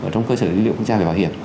trong cơ sở dữ liệu quốc gia về bảo hiểm